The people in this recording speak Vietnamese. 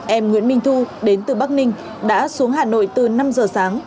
em nguyễn minh thu đến từ bắc ninh đã xuống hà nội từ năm giờ sáng